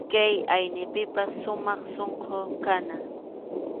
Kay aynipipas sumaq sunqu kana.